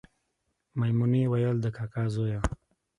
میمونې ویل د کاکا زویه